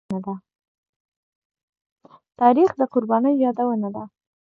تاریخ د قربانيو يادونه ده.